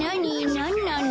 なんなの？